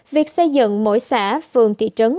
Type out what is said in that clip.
việc xây dựng mỗi xã phường thị trấn